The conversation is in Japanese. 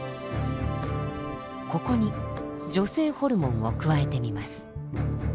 ここに女性ホルモンを加えてみます。